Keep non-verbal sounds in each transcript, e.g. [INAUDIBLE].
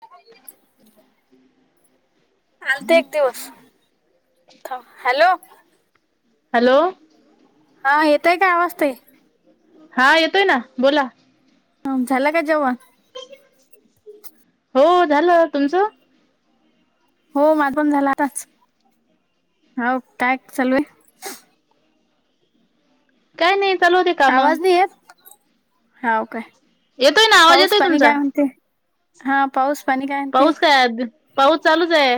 [UNINTELLIGIBLE] आलते एक दिवस हॅलो हॅलो हा येतोय का आवाज ताई? हा येतोय ना. बोला. ह. झाल का जेवण? हो झालं. तुमच? हो माझ पण झाला आताच. ह. काय चालू आहे? काय नाही. चालू होते काम आवाज नाही येत? हाव काय? येतोय ना आवाज पाऊस येतोय पाणी तुमचा काय म्हणते? हा पाऊस- पाणी काय म्हणते पाऊस काय, आ -पाऊस चालूच आहे.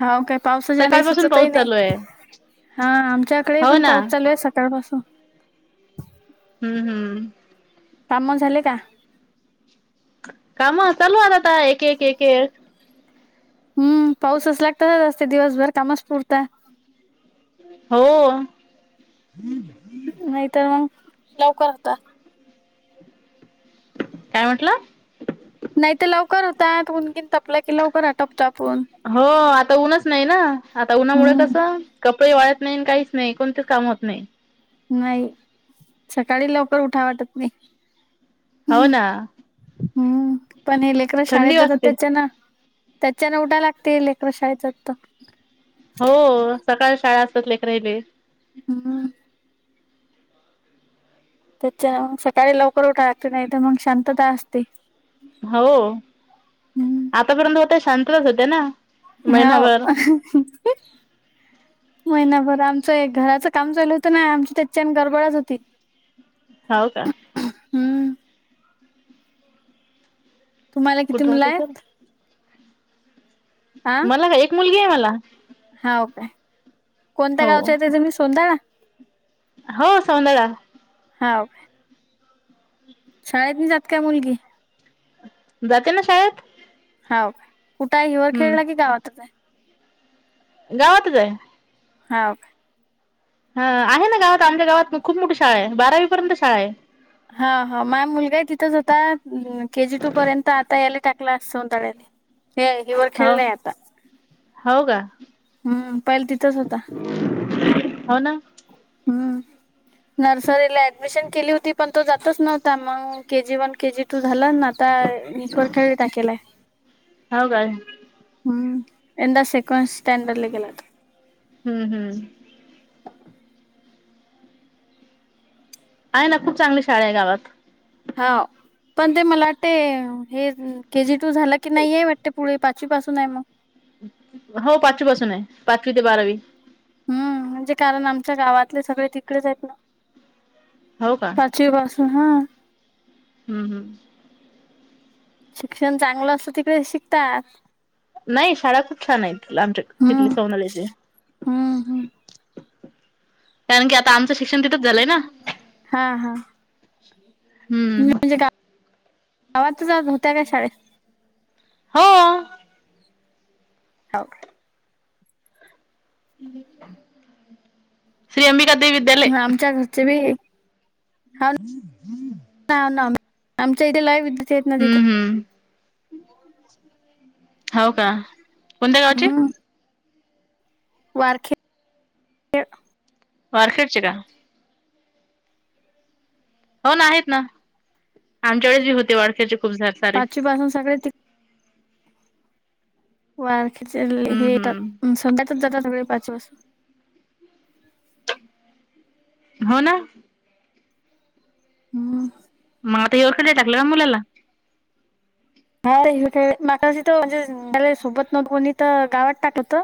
हाव का? पाऊस जाने सकाळपासून सुचतही पाऊस नाही. चालू आहे हा, हो आमच्याकडेही ना पाऊस चालू आहे सकाळपासूनच. हा. हम् हम्म. काम झाले का? काम? चालू आ आता एक एक एक. हम्म. पाऊस असला तर असे दिवसभर कामच पुरता. हो. नाही तर मग लवकर होता. काय म्हटलं? नाही तर लवकर होता. उन बिन तपला कि लवकर आटप- हो. आता ऊनच नाही ना? आता उन्हामुळे हम्म कसं कपडे वाळ्- नाही काहीच नाही. कोणतेच काम होत नाही. नाही. सकाळी लवकर उठाव वाटत नाही. हो ना हम्म. पण हे लेकर शाळेत थंडी जातात वाजते त्याच्यान- त्याच्यान उठाव लागतय. लेकर शाळेत जातात तर- हो सकाळ शाळा असतात लेकरायले. हम्. त्याच्यान सकाळी लवकर उठाव लागतंय. नाही तर मग शांतता असते. हो हम्म आतापर्यंत होते. शांतच होते ना? हाव. महिनाभर महिनाभर. आमचं हे घराचं काम चालूत ना? आमची त्याच्याने गरबडच होती. हाव का? हम्म तुम्हाला किती कुठे मुल राहते सर आहेत? आ मला का एक मुलगी आहे मला. हाव का? कोणत्या हो गावच्या ते तुम्ही सौदाळा ना? हो सौंदळा. हाव. शाळेत नाही जात काय मुलगी? जाते ना शाळेत. हाव. कुठं आहे हिवर खेळला की हम्म गावातच आहे? गावातच आहे. हाव. हा आहे ना गावात. आमच्या गावात खूप मोठी शाळा आहे बारावी पर्यंत शाळा आहे. हा हा माझा मुलगाही तिथंच होता केजी टू पर्यंत. आता याला टाकला सौंदळ्यात. व्हय. हिवर हो खेळलयता. हो का? हम्म पहिले तिथंच होता. हो ना. नर्सरीला ऍडमिशन केली होती पण - तो जातच नव्हता. मग केजी वन केजी टू- झालं ना आता मीर खेळी टाकलाय हो का हम्म यंदा सेकवंड स्टँडर्डला गेला हम्म हम्म आहे ना खूप चांगली शाळा आहे गावात हा पण ते मला वाटते हे के जी टू झाला की नाहीय वाटते पुढे पाचवी पासून आहे मग हो पाचवी पासून आहे पाचवी ते बारावी हम्म म्हणजे कारण आमच्या गावातले सगळे तिकडेच आहेत ना हो का पाचवी पासून हा हम्म हम्म शिक्षण चांगलं असतं तिकडे शिकतात नाही शाळा खूप छान आहेत आमच्या हम्म तिथली सोनाल्याची हम्म हम्म. कारण की आता आमचं शिक्षण तिथंच झालंय ना हा हा हम्म आवाज होत्या काय शाळेत हो हो का श्री अमिक आमच्या घरचे बी हाव हम्म हम्म ना हाव ना आमच्या इथे लाय विद्युत येत ना तिथं हम्म हो का कोणत्या गावाचे हम्म. वारखे वर खेरची का [UNINTELLIGIBLE] हो ना आहेत ना आमच्याकडेळेच बी होते वाडक्याचे पाचशे पासून सगळे त वारखे हे हम्म येतात हम्म सध्या जातात सगळे पाच वासून हो ना हम्म मग आता एव खेळाला टाकलं का मुलाला हा मशी तर म्हणजे सोबत न कोणी तर गावात टाकलंत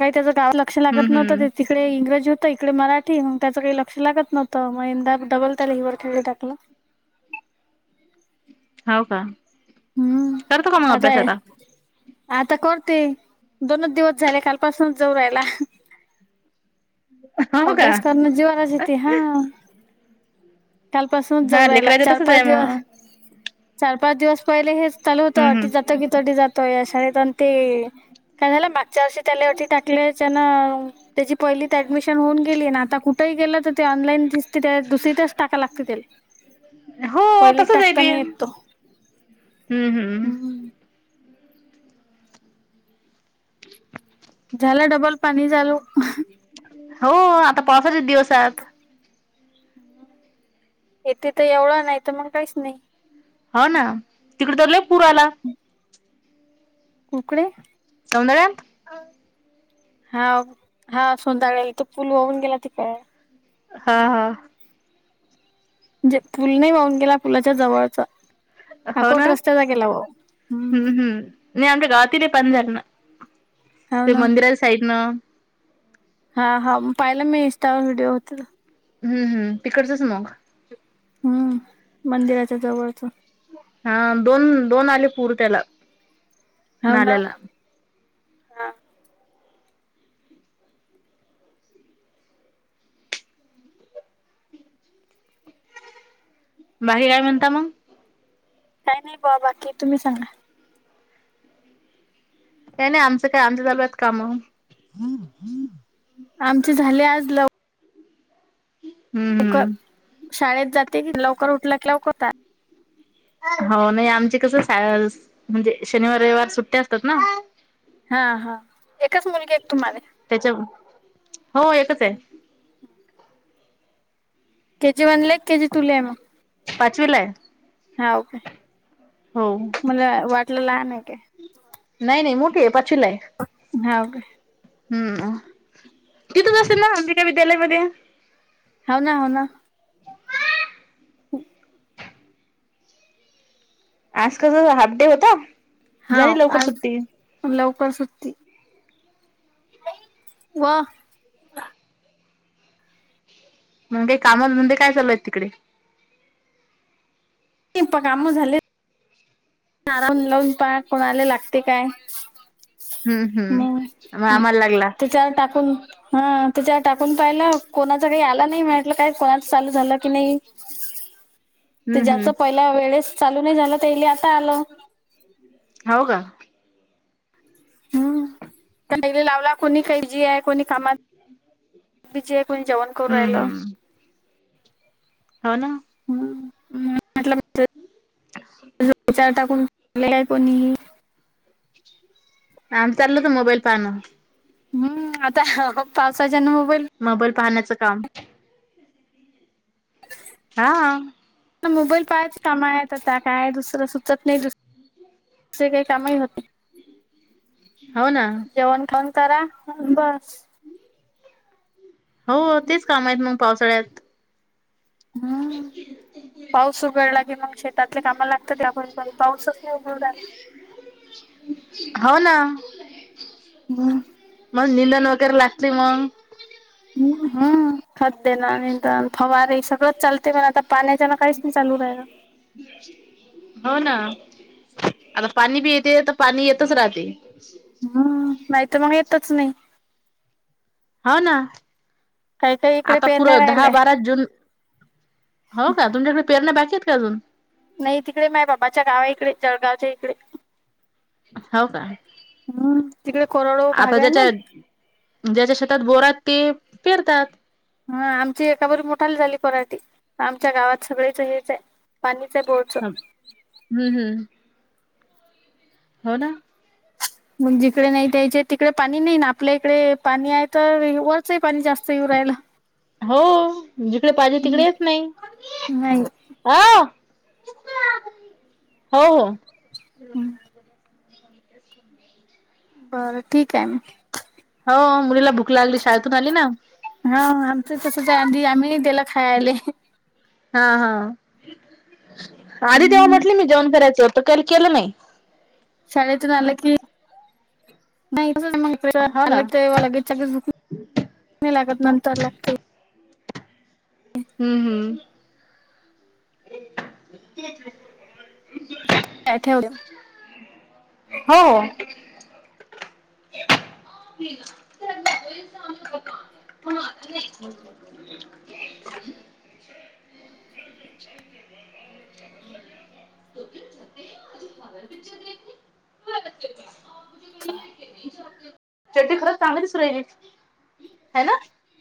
काही त्याच गाव लक्ष हम्म लागत हम्म नव्हतं तिकडे इंग्रजी इकडे मराठी मग त्याचं काही लक्ष लागत नव्हं मगंदा डबल त्याला हिवरर खेळलं टाकलं [INAUDIBLE] [INAUDIBLE] हो का हम्म करतो का मग अभ्यास आता आता करते दोनच दिवस झाले कालपासूनच जाऊ रायला हो का अभ्यास करनं जीवावर येतय हां कालपासूनच जऊ हा राहला लेकरायच चार तसच पाच आहे दिवस मग चार पाच दिवस पहिले हेच चालू होतं हम्म अटी हम्म जातो की तटी जातोय या शाळेत अनं ते काय झाल [UNINTELLIGIBLE] टाकल्या त्याची पहिलीच आडमिशन गेली ना आता कुठेही गेलं तर ते ऑनलाईन तिथ दुसरीतच टाकाय लागते त्याला हो पहिलीत तसच आहे टाकता ते नाही येत तो हम्म हम्म [INAUDIBLE] झाला डबल पाणी चालु हो आता पावसाचे दिवस हायत येथे तर एवढं नाही तर मग काहीच नाही हो ना तिकडे तर पुर आला कुकडेे [UNINTELLIGIBLE] हा हा सोंतााळ इथ पुल वाहुन गेला तिकडे. हा हा. म्हणजे फुल नाही वाहून गेला फुलाच्या जवळचा हो अकोट ना रस्त्याचा गेला वा. हम्म हम्म नाय आमच्या गावातिल. हाव [INAUDIBLE] ते ना मंदिराच्या साइडनं. हा हा म पाहिलं मी इंस्टावर व्हिडिओ होत. हम्म हम तिकडचचं मग. हम्म मंदिराच्या जवळचं हा दोन दोन आले पुर त्याला हाव ना नाल्याला. हा. बाकी काय म्हणता मग. काय नाही बावा बाकी तुम्ही सांगा. काय नाही आमचं काय आमचं चालु आहेत काम. आमचे झाले आज लव. हम्म हम्म. शाळेत जाते की लवकर उठला की. [UNINTELLIGIBLE] हो नाही आमचे कसं म्हणजे शनिवार रविवार सुट्टया असतात ना. हा हा एकच मुलगी आहे का तुम्हाला. त्याच्या [UNINTELLIGIBLE] ते म्हणलेत तुजी तु ले मग. पाचवीलाय. हाव का मला वाटलं लहान आहे का. नाय नाय मोठी आहे पाचवीलाय. हव का. हम्म तिथंच असेल ना अंबिक विद्यालय मध्ये. होना होना. [UNINTELLIGIBLE] आज कस हाफ डे होता. झाली हव लवकर आज सुट्टी लवकर सुटी. वं. मग काय काम धंदे काय चालूय तिकडे. प काम झाले. आराम लावून पाहाय कोणाला लागते काय. हम्म हम्म हम् मग आम्हाला लागला. त्याच्यावर टाकून. हा तच्यावर टाकून पाहिला कोणा. [UNINTELLIGIBLE] आलं नाय म्हणटलं कोणाचं चालू झालं की नाय. ते हम्म ज्याचं हम्म पहिला वेळेस चालू नाही झालं त्याला आता आलं. हो का. हम्म प लावला कोणी काही जी आहे. [INAUDIBLE] कोण जेवण करू हम्म राहीलो.. हम्म हो नां. ह म्हटलंचार टाकूनले कोणीही. [UNINTELLIGIBLE] आमचं तर मोबाईल पहाणं. हम्म आता पावसाचं. मोबाईल पाहण्याचं काम. हा. मोबाईल पहायचं कामा आहेत आता काय दुसरं सुचत नाही.. असे काही कामही होते. हो ना. जेवण खाऊन करा बस हो तेच काम आहेत मग पावसाळ्यात हम्म पाऊस उघडला की मग शेतातले कामा लागतं त्यापरी पाऊसच नाही उघडला ह [INAUDIBLE] हो ना ब मग निंदन वगैरे लागते मग ह हम खत देना निंदन फवारे सगळंच चालते पण आता पाण्याच्या ना काहीच नाही चालू राहाला हो ना आता पाणी बी येते तर पाणी येतच राहते. हम्म नाहीत मग येतच नाही. हो ना काही काही इकडे आता पेरण्या पुरं दहा राहिलाय बारा जून हो का तुमच्याकडे पेरण्या बाकी आहेत का अजून? नाही तिकडे माय बाबाच्या गावा इकडे जळगावच्या इकडे हो का हम्म तिकडे कोरडो आता भाग आहे ना ज्याच्या ज्याच्या शेतात बोरात ते पेरतात. हा आमची एका बरी मोठाली झाली पराठी आमच्या गावात सगळेच हेच पाणी ह हम्म हम्म हो ना मग जिकडे नाही द्यायचे तिकडे पाणी नाही ना आपल्या इकडे पाणी आहे तर वरचही पाणी जास्त राला [UNINTELLIGIBLE] हो जिकडे पाहिजे तिकडेच नाही नाही अ हो हो बरं ठीक आहे मी हो मुलीला भूक लागली शाळेतून आली ना हा आमच तस आ आम्ही तेला खायले हा हा आधी तेव्हा म्हटले मी जेवण करायचं तर का केलं नाही. शाळेतून आलं की नाही मग हो ना ते लगेच भूक नाही लागत नंतर लागते. हम्म हम्म ठी [UNINTELLIGIBLE] बठे होते [UNINTELLIGIBLE] हो मला चांगलीच राहिली ह ना [UNINTELLIGIBLE]